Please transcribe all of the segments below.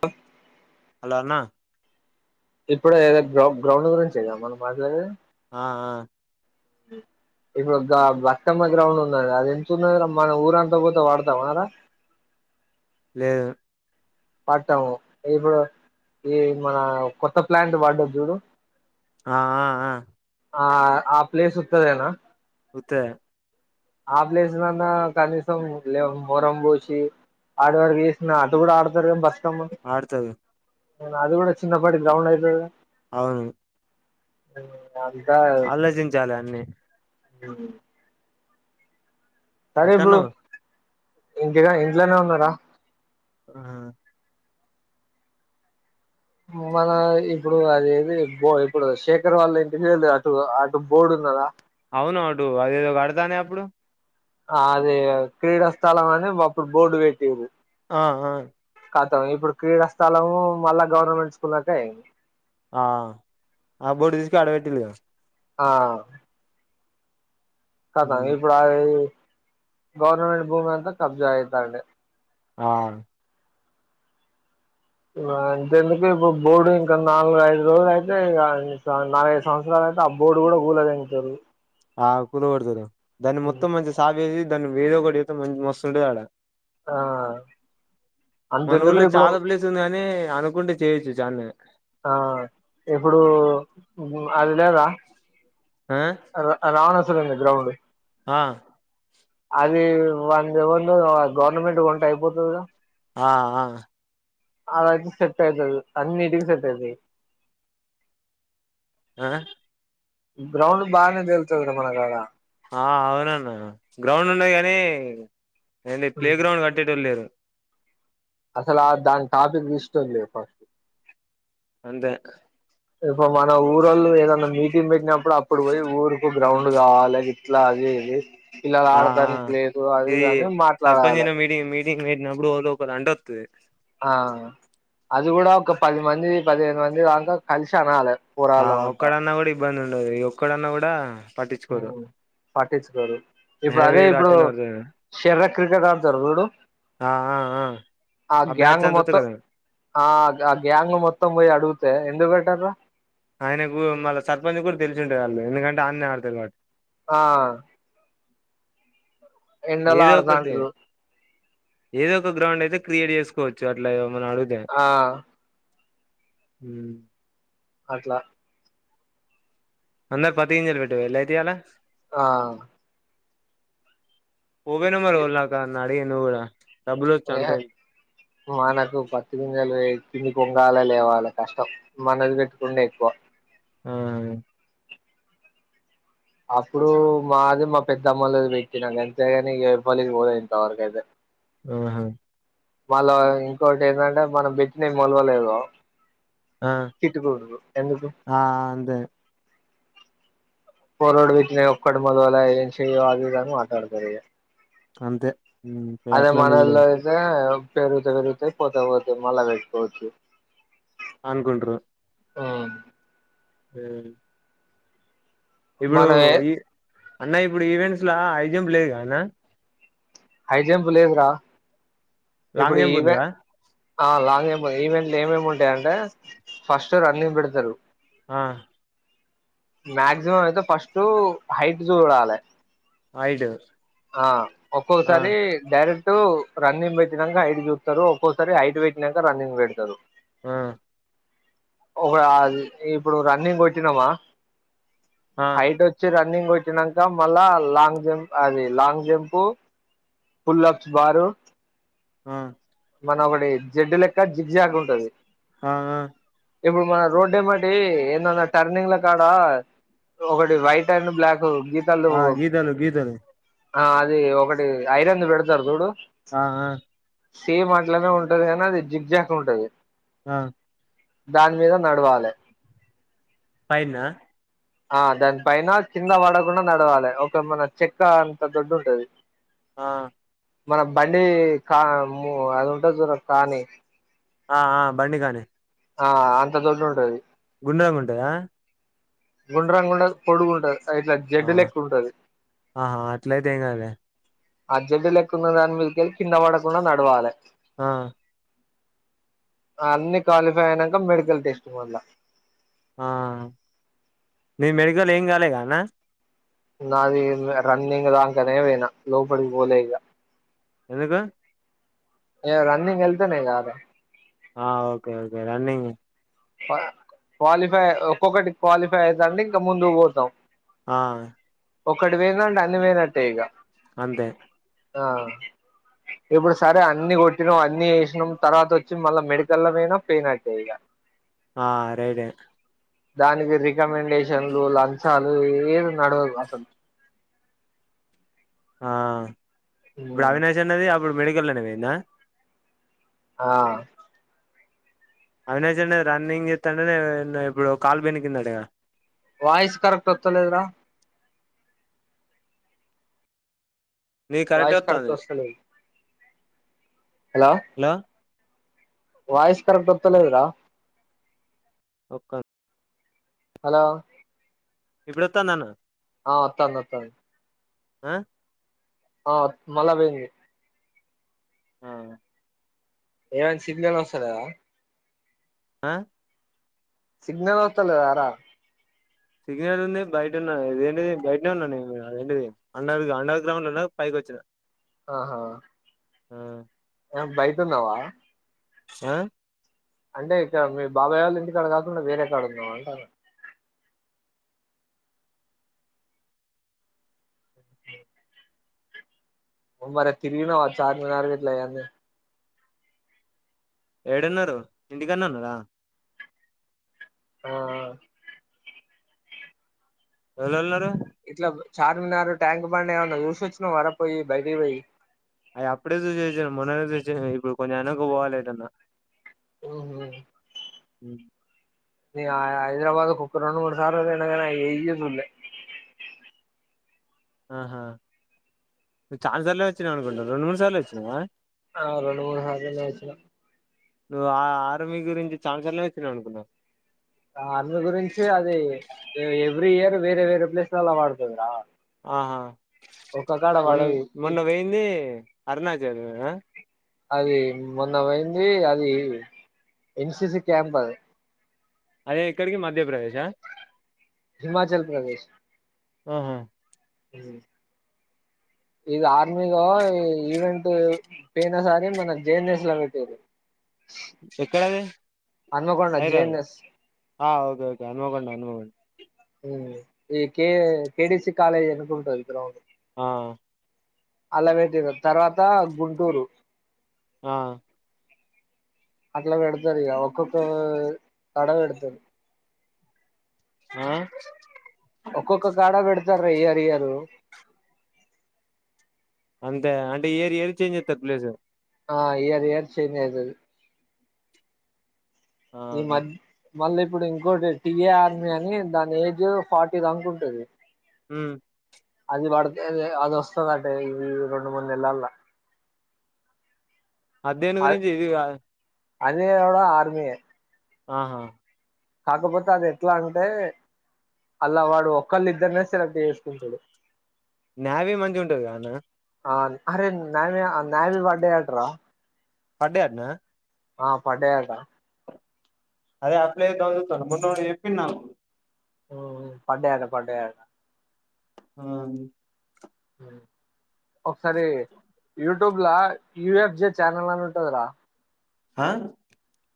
ప హలో అన్నా ఇప్పుడ ఏద గ గ్రౌండ్ గురించే గా మనం మాట్లాడేది ఆ ఆ ఉ ఇప్పుడు బట్టమ్మ గ్రౌండ్ ఉంద అది ఎంత ఉంది మన ఊరంతా పోతే వాడతామారా లేదు పట్టము ఇప్పుడు ఈ మన కొత్త ప్లాంట్ వడద్ధి చూడు ఆ ఆ ఆ ఆ ఆ ప్లేస్ ఉత్తదేనా ఉత్తదే ఆ ప్లేస్ నాన్న కనీసం లే మోరంబోషి ఆడు వర్కు చేసిన అటు కూడా ఆడతారెమో బస్ ఆడతది నేన్ అది కూడా చిన్న పాటి గ్రౌండ్ అయితది గద అవును ఏమో ఆలోచించాలి అన్ని అ సరే ఇప్పుడు ఎక్కన్నావ్ ఇంకా ఇంట్లనే ఉన్నరా ఆ మన ఇప్పుడు అది ఏది ఇప్పుడు శేఖర్ వాళ్ళ ఇంటికి మీది అటు అటు బోర్డు ఉన్నదా అవునొ డు అదేదో కడతంది కదా అప్పుడు అదే క్రీడా స్థలం అని అప్పుడు బోర్డు పెటిరు ఆ ఆ కతం ఇప్పుడు క్రీడా స్థలము మళ్ళా గవర్నమెంట్ స్కూలకె ఐంది ఆ ఆ బొడు తీసకపొయి ఆడ పెట్టిల్లు కదా ఆ కతం ఇప్పుడు అవి గవర్నమెంట్ భూమి అంతా కబ్జా ఐతండే ఆ ఇగ అంతేందుకు ఇప్పుడు బోర్డు ఇంకా నాలుగు ఐదు రోజులు అయితే ఇగ నాలుగు ఐదు సంవత్సరాలు అంటే ఆ బోర్డు కూడా! ! ! ! ! ! ! ! ! ! ఆ కూల కొడుతరు దాన్ని మొత్తం మంచి సాపేసి దాన్ని వేదో ఒక చేస్తె మస్తుంటది ఆడ ఆ మన అంతెందుకు ఊళ్లే ఇప్పుడు చాలా ప్లేస్ ఉంది అని అనుకుంటే చేయ్యొచ్చు చాన్నే ఆ ఇప్పుడు అది లేదా ఆ ర రావణాసురుని గ్రౌండు ఆ అది వాందేవనిదో గవర్నమెంట్ కొంటె అయిపోతది కదా ఆ ఆ అదయితే సెట్ ఐతది అన్నింటికి సెట్ ఐతది అ గ్రౌండ్ బాగానే జరుగుతది కదా మనకాడ ఆ అవునన్న గ్రౌండ్ లు ఉన్నయి గనీ అండ్ ప్లే గ్రౌండ్ కట్టేటోళ్లు లేరు అసలు ఆ దాని టాపిక్ తీస్ టోళ్లు లేరు ఫస్ట్ అంతే ఇప్పు మన ఊరోళ్లు ఏదనా మీటింగ్ పెట్టినప్పుడు అప్పుడు పోయి ఊరుకు గ్రౌండ్ కావాలి ఇట్లా అది ఇది పిల్లలు ఆఆ ఆడటానికి లేదు అది ఈ ఇది అని సర్పంచ్ మాట్లాడాలి లు మీటింగ్ మీటింగ్ పెటినప్పుడు ఓలు ఒకలండోతే ఆ అది కూడా ఒక పది మంది పదిహేను మంది దాంక కలిసి అనాలే ఆ ఒక్కడన్నా కూడా ఇబ్బంది ఉండది ఒక్కడన్నా కూడా పట్టించుకోరు పట్టిచుకోరు హే ఇప్పుడు అదే వీడు ఇప్పుడు అటెండర్ షర్ర క్రికెట్ అడ్తరు చూడు ఆ ఆ ఆ ఆ బ్యాచ్ గ్యాంగ్ అంత మొత్తం ఉత్తగనే ఆ ఆ గ్యాంగ్ మొత్తం పోయి అడుగుతే ఎందుకు పెట్టర ఆయనకు మళ్ళ సర్పంచ్ కూడా తెలిసు ఉంటది ఆళ్ళు ఎందుకంటే ఆన్నే ఆడతరు కాబట్టి ఆ ఎన్నలా ఏదో ఒకటి ఆడదాంటరూ ఏదో ఒక గ్రౌండ్ అయితే క్రియేట్ చేసుకోవచ్చు అట్లా ఏమని అడుగుతే ఆ హ అట్లా అందర పతికింజాలు పెట్టివ ఎలా అయితే యిలా ఆ [unintelligible] అంత [unintelligible] ఇంత కిన్ని కొంగాల లేవాలా కష్టం మనది పెట్టుకుంటే ఎక్కువ ఆ అప్పుడు మాది మా పెద్ద అమ్మలు పెట్టినాక అంతేగాని ఎవలికి పోదైనంతవరక అైతే ఆ మళ్ళా ఇంకోటి ఏంటంటే మన బెట్టిని మొలవలేదు ఆ [unintelligible] ఎందుకు ఆ అంతే ఫోర్డ్ [unintelligible] మాట్లాడతారు ఇగ అంతే అదే అట్లాంటివి కూడా మనల్లో అయితే పెరుగుతే పేరుగుతాయ్ పోతే పోతే మలా వెసుకోచ్చు అనుకుంట్రు ఆ హ ఇప్పుడు మనం ఏ ఈ అన్న ఇప్పుడు ఈవెంట్స్ లో ఐ జంప్ లేదు కదన్న హైజంప్ లేదు రా ఇప్పుడు లాంగ్ జంప్ ఉందిగా లా ఈవెంట్ లో ఏమేమి ఉంటాయంటే ఫస్ట్ రన్నింగ్ పెడతారు ఆ మాక్సిమం అయితే ఫస్ట్ హైట్ చూడాలే హైట్ ఆ ఆ ఒక్కొక్కసారి డైరెక్ట్ రన్నింగ్ పెట్టినాక హైట్ చూపుతారు ఒక్కోసారి హైట్ పెట్టినాక రన్నింగ్ పెడతారు ఆ ఒక ఇప్పుడు రన్నింగ్ కొట్టినామా ఆ హైట్ వచ్చి రన్ని రన్నింగ్ కొట్టినాక మళ్ళా లాంగ్ జంప్ అది లాంగ్ జంప్ [unintelligible] బారు ఆ మనం ఒకటి జడ్డు లెక్క జిగ జాగ ఉంటది ఆ ఇప్పుడు మన రోడ్డు ఏమిటి ఏందన్నా టర్నింగ్ కాడా ఒకటి వైట్ అండ్ బ్లాక్ నా గీతలు ఆ గీతలు గీతలు ఆ అది ఒకటి ఐరంది పెడతారు చూడు ఆఆ సేమ్ అట్లనే ఉంటది కానీ అది జిగ జాక్ ఉంటది ఆ దాని మీద నడవాలి పైన్నా ఆ దాని పైన కింద పడకుండా నడవాలి ఒక మన చెక్క అంత దొడ్డు ఉంటది ఆ మన బండి కా అది ఉంటుది చ కానీ ఆ ఆ బండిగానే ఆ అంత దోడ్డు ఉంటది గుండగా ఉంటాయా గుండరాండ పొడుగుంట ఇట్లా ఆ జడ్ ఎక్కుంటది ఆహా అట్లయితే ఏం కాదులే అర్జెంటట్ లెక్కున్న దాని మీదకెళ్ళి కింద పడకుండా నడవాలి ఆ అన్ని క్వాలిఫై అయినాక మెడికల్ టెస్ట్ పొల్ల ఆ మీ మెడికల్ ఏం కాలేగాన్న నాది రన్నింగ్లాాకానేనా లోపలికి పోలే ఇంకా ఎందుకు ఏ రన్నింగ్ ఎల్దేనేను కాలే ఆ ఓకే అండి రన్నింగ్ క్వాలిఫై ఒక్కొక్కటి క్వాలిఫై అవుతండి ఇంకా ముందు పోతాం ఆ ఒకటి వేనాండి అన్ని వేయినట్టే ఇక అంతే ఆ ఇప్పుడు సరే అన్ని కొట్టిన అన్ని వేసినాం తర్వాత వచ్చి మళ్ళా మెడికల్మయినా పెయిన్ అట్టేయి ఇక ఆ రైడే దానికి రికమెండేషన్లు లంచాలు ఏ నడవ అసలు ఆ ఇప్పుడు అవినాష్ అనేది అప్పుడు మెడికల్ అనేవింద ఆ అవినేశన్న రన్నింగ్ చేస్తాంంటే ఇప్పుడు కాలు బినికికింద అడిగా వయిస్ కరక్ట్ వస్తలేదురా నీది కరెక్టే వయిస్ కరక్ వత్తాంది వస్తలెదు హలో వయిస్ కరక్ట్ వత్తలేదరా ఒక్క హలో ఇప్పుడుత్తా నన్న ఆ అత్తాంది అత్తాను ఆ ఆ మళ్ళ పోయేది ఆ ఎం సిగ్నల్ వస్తలేదా ఆ సిగ్నల్ వట్టలేదా రా సిగ్నల్ ఉంది బయట ఉన్నదేంటిది బయటనే ఉన్నా నేనుంటి అండర్ అండర్ గ్రౌండ్ ఉ పై వచ్చిన ఆహా ఆ బయతుంన్నవ ఆ అంటే ఇక మీ బాబాయ్ వాళ్ళు ఇంటికాడ కాకుండా వేరేక్కడ ఉన్నాం అంటారు అ ఉార తిరిగినచ్చార్ మరగట్లే ఎన్న ఏడున్నారు ఇంటికన్నా ఉన్నార ఆ ఇవ్వలేవాలు ఉన్నారు ఇట్ల చార్మినార్ ట్యాంక్ బ చూసొచ్చుిన వరపోయి బయటి పోయి అయి అప్పుడే చూచ మన్ననే ఇప్పుడు కొంచెం అనకు పోవాలింటన్నా ఓహ అ నీనా ఆ హైదరాబాద్ కుక్కరోజు మూడు సార్లు బోయిన గానీ అయ్ ఏయ్యి జుడలే ఆహా నువ్ చాన్ సార్లు వచ్చినావు అనుకుంటా రెండు మూడు సార్లు వచ్చినావా ఆ రెండు మూడు సార్లలలా వచ్చిన నువ్వు ఆ ఆ ఆర్మీ గురించి చాన్ చార్లలే వచ్చినావు అనుకున్నా ఆ ఆర్మీలా గురించి అది ఏ ఎవ్రీ ఇయర్ వేరే వేరే ప్లేస్లలా వాడుతదిరా ఆహా వన్ పడదు మొన్న వెేయింది అరుణాచల్ అది మొన్న వోయింది అది ఎన్సిసి క్యాంబాద్ అదే ఎక్కడికి మధ్యప్రదేశా హిమాచల్ ప్రదేశ్ ఆహా హుహ్ ఇది ఆర్మీదా ఈ ఈవెంట్ పేయినా సారి మన జేఎన్ఎస్ లో పెట్టిరు. ఎక్కడది హన్మకొండ హైడ్రావో జేఎన్ఎస్ ఆ ఓ తోక్ అనువావండ్ అనువావొన్ ఉ ఇకే కేడిసి కాలేజ్ ఏనుకుంటది గ్రౌండు ఆహ్ అల్ల వెట్టిరు తర్వాత గుంటూరు ఆ ఇలా వేడుతారు ఇగా ఒక్కొక్క ఓ తడా వేడతారు. ఆ ఒక్కొక్క కాడ బేడుతార్ రా ఇయర్ ఇయరు. అంతే ఆ అంటే ఇయర్ ఇయరు చేంజ్ జెతార్ ప్లేసు. ఆ ఇయర్ ఇయరు చేంజ్ అయితది. ఈ ఆహా మధ్ మళ్ళీ ఇప్పుడు ఇంకోటి టిఏ ఆర్మీ అని దాని ఏజ్ ఫార్టీ దాకుంటది. ఉమ్ అది వడితే అదే అద్ వాసదంట ఈ రెండు మూడు నెలలా అద్ దేని గురించి ఇది గాద్ అదే ఓడా ఆర్మే ఆహా కాకపోతే అది ఎట్లా అంటే అల్లా వాడు ఒక్కల్ నిద్దర్నె సెలెక్ట్ జేసుకుంటుడు. నావీ మంచి ఉంటద్ గన్నా అన్ అరే నావియా ఆ నావి వాడయాటూరా పాడయాంట్నా ఆ పడయంట అదే అప్లై ఎంతావో జున్తవున్న మొన్న ఎవరో ఏపీరు నాకు ఓహో పడయట పడయట. నవున్ హావును ఒకసారి యూట్యూబ్లా యు ఎఫ్ జె చానెల్ అనుటాదిరా. హా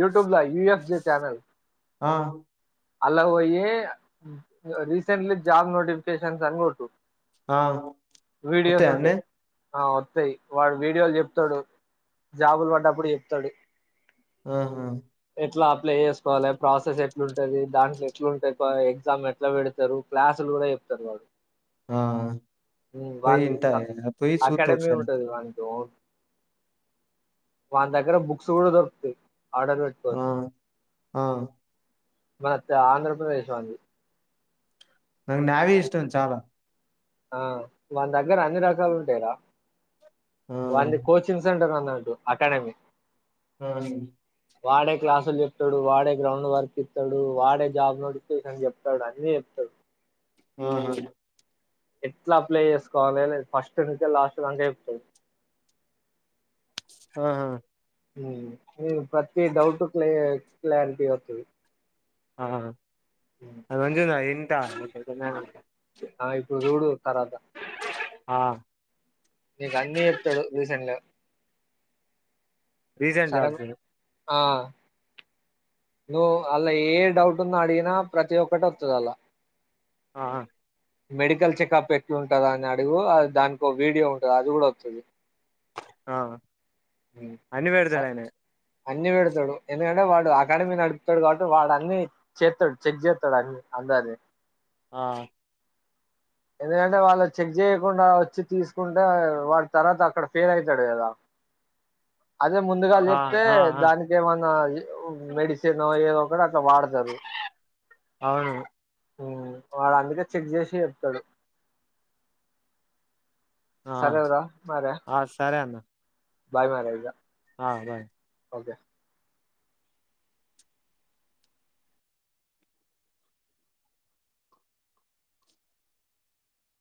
యూట్యూబ్ యూఎఫ్ జే చానల్. ఆ అలాక్ ఓయి రీసెంట్లీ జాబ్ నోటిఫికేషన్స్ అని గోటు ఆ వొతాయా ఏనే ఉంటాయి ఆ వత్తాయ్ వాడు వీడియోలు జేప్తాడు, జాబులు పడ్డప్పుడు ఏప్తాడు. తహా ఎట్లా అప్లై ఏసుకోవాలే, ప్రాసెస్ ఎట్లుంటది. దాంట్లో ఎట్లుంటే ఎక్కువ ఎగ్జామ్ ఎట్లా వేడుతారు క్లాసుల్ తుడా ఎప్తాడు వాడు ఆ పోయి ఇంట [unintelligible] పోయి చూస్తా అకాడమి ఒకసారి ఉంటది వానితో వాని దగ్గర బుక్స్ కూడా దొరుకుతయి ఆ ఆ మాత ఆంధ్రప్రదేశ్ అండి నాకు నావీ ఇష్టం చాలా ఆ వాళ్ల దగ్గర అన్ని రకాలు ఉంటాయిరా ఆ వానిది కోచింగ్ సెంటర్ టడు అకాడమి ఆ వాడే క్లాసులు చెప్తాడు వాడే గ్రౌండ్ వర్క్ ఇస్తాడు వాడే జాబ్ నోటిఫికేషన్ చెప్తాడు అని ఆహా ఎట్లా అప్లై చేసుకోవాలి ఫస్ట్ నుంచే లాస్ట్ దాంక చెప్పు ఆ ప్రతి డౌట్ క్లి క్లారిటీ వతుది ఆ అది మంజుంద ఎంట ఆ ఇప్పుడు చూడు తర్వాత ఆ నీకు అన్నీ చెప్తాడు రీసెంట్గా రీసెంట్ జాబ్ ఆ నువ్వు అలా ఏ డౌట్న్నా అడిగినా ప్రతి ఒక్కటి వత్తదలా ఆ మెడికల్ చెకప్ ఎట్లు ఉంటందా అని అడుగు దానికి వీడియో ఉంటది అది కూడా వత్తది ఆ అన్ని పెడతాడు ఆయన అన్ని పెడతాడు ఎందుకంటే వాడు అకాడమీ నడుపుతాడు కాబట్టి వాడు అన్ని చేస్తాడు చెక్ చేస్తాడు అన్ని అంగాది ఆ ఎందుకంటే వాళ్ళు చెక్ చేయకుండా వచ్చి తీసుకుంటే వాడి తర్వాత అక్కడ ఫెయిల్ అవుతాడు కదా అదే ముందుగా ఆ చెప్తే ఆ ఆ దానికి ఏమన్నా మెడిసిన్ ఏదో కూడా అట్ల వాడతారు అవును వాడు అందుకే చెక్ చేసి చెప్తాడు ఆ సరేరా మరే ఆ సరే అన్న బాయ్ మరి ఇగ ఆ బై ఓకే